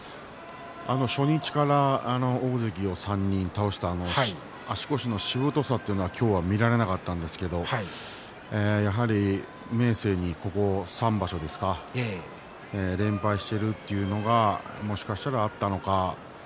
初日から大関を３人倒した足腰のしぶとさというのは今日は見られなかったんですがやはり明生にここ３場所ですか連敗しているというのがもしかしたらあったのか。